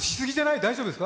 大丈夫ですか？